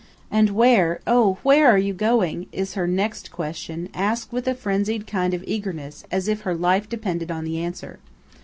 "And where–oh! where are you going?" is her next question, asked with a frenzied kind of eagerness, as if her life depended on the answer.